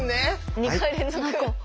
２回連続。